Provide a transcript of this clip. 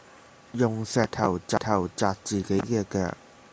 用石頭砸自己嘅腳